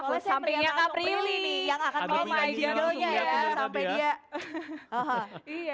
sampai dia ngasih prilih nih yang akan ngomongnya jinglenya